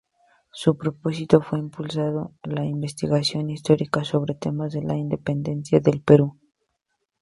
Su propósito fue impulsar la investigación histórica sobre temas de la Independencia del Perú.